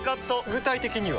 具体的には？